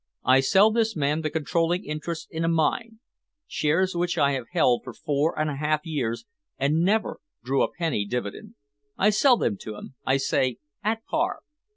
I sell this man the controlling interests in a mine, shares which I have held for four and a half years and never drew a penny dividend. I sell them to him, I say, at par.